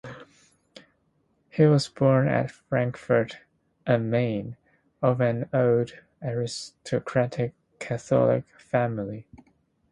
He was born at Frankfurt am Main, of an old aristocratic Catholic family.